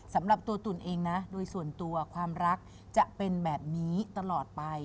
สำหรับตัวตุ๋นเองนะโดยส่วนตัวความรักจะเป็นแบบนี้ตลอดไป